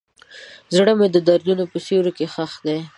زړه مې د دردونو په سیوري کې ښخ دی.